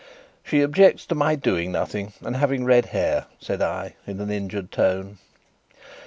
"She objects to my doing nothing and having red hair," said I, in an injured tone.